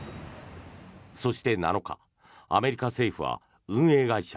そして、７日アメリカ政府は運営会社